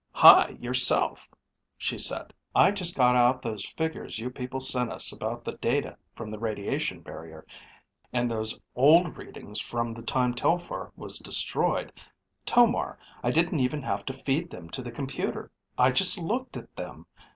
"Hi, yourself," she said. "I just got out those figures you people sent us about the data from the radiation barrier, and those old readings from the time Telphar was destroyed. Tomar, I didn't even have to feed them to the computer. I just looked at them.